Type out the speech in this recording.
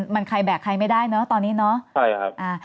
มันใครแบกใครไม่ได้เนาะตอนนี้เนาะ